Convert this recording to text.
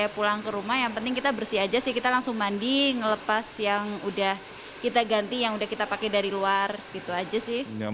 pulang ke rumah yang penting kita bersih aja sih kita langsung mandi ngelepas yang udah kita ganti yang udah kita pakai dari luar gitu aja sih